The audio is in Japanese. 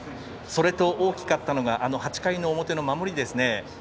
それと大きかったのが８回の表の守りですね。